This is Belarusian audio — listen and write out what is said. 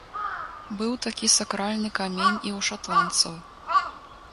Быў такі сакральны камень і ў шатландцаў.